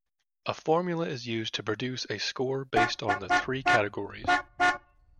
A formula is used to produce a score based on the three categories.